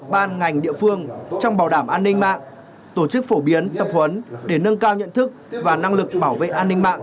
ban ngành địa phương trong bảo đảm an ninh mạng tổ chức phổ biến tập huấn để nâng cao nhận thức và năng lực bảo vệ an ninh mạng